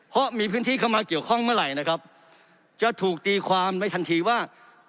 เพราะมีพื้นที่เข้ามาเกี่ยวข้องเมื่อไหร่นะครับจะถูกตีความในทันทีว่า